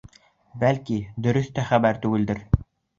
Бәлки, дөрөҫ тә хәбәр түгелдер.